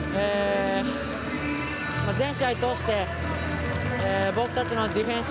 全試合通して僕たちのディフェンス。